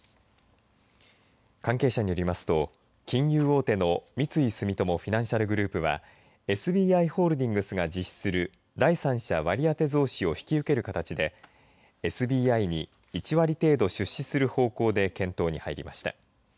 関係者によりますと金融大手の三井住友フィナンシャルグループはＳＢＩホールディングスが実施する第三者割当増資を引き受ける形でＳＢＩに１割程度出資する方向で検討に入りました。